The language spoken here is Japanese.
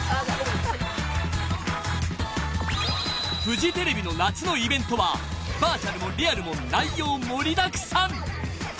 ［フジテレビの夏のイベントはバーチャルもリアルも内容盛りだくさん！］